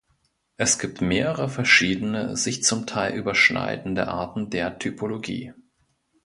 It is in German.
Es gibt mehrere verschiedene, sich zum Teil überschneidende Arten der Typologie.